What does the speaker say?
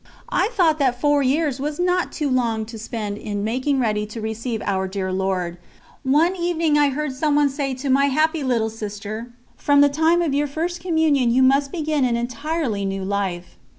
I thought that four years was not too long to spend in making ready to receive Our dear Lord. One evening I heard someone say to my happy little sister: "From the time of your First Communion you must begin an entirely new life."